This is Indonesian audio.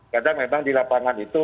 karena memang di lapangan itu